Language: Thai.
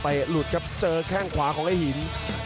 หลุดครับเจอแข้งขวาของไอ้หิน